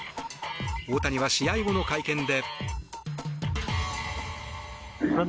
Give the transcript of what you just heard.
大谷は試合後の会見で。